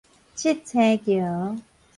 七星橋